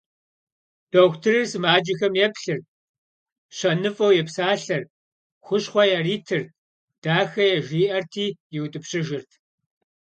Дохутырыр сымаджэхэм еплъырт, щэныфӀэу епсалъэрт, хущхъуэ яритырт, дахэ яжриӀэрти иутӀыпщыжырт.